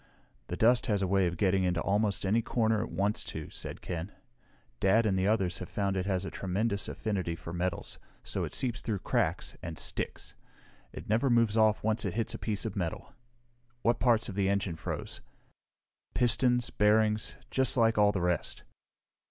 "The dust has a way of getting into almost any corner it wants to," said Ken. "Dad and the others have found it has a tremendous affinity for metals, so it seeps through cracks and sticks. It never moves off once it hits a piece of metal. What parts of the engine froze?" "Pistons, bearings just like all the rest."